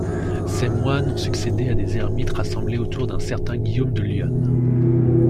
Ces moines ont succédé à des ermites rassemblés autour d'un certain Guillaume de Lyonne.